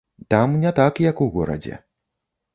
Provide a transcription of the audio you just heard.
Там не так, як у горадзе.